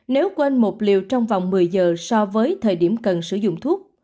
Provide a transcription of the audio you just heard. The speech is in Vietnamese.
nếu quên một liều trong vòng một mươi giờ so với thời điểm cần sử dụng thuốc